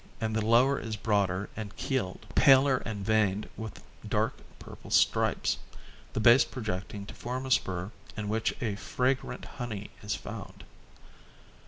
135 136 and the lower is broader and keeled, paler and veined with dark purple stripes, the base projecting to form a spur, in which a fragrant honey is found.